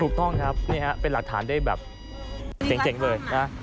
ถูกต้องครับนี่ฮะเป็นหลักฐานได้แบบเจ๋งเลยนะ